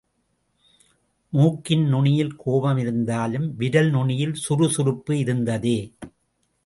மூக்கின் நுனியில் கோபம் இருந்தாலும், விரல் நுனியில் சுறுசுறுப்பு இருந்ததே!...